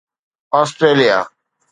Australia